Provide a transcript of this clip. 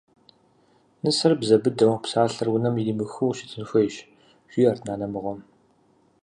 Нысэр бзэ быдэу, псалъэр унэм иримыхыу щытын хуейщ, – жиӀэрт нанэ мыгъуэм.